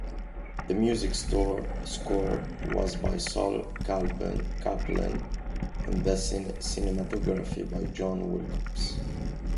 The music score was by Sol Kaplan and the cinematography by John Wilcox.